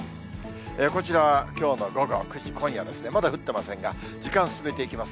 こちら、きょうの午後９時、今夜ですね、まだ降ってませんが、時間進めていきます。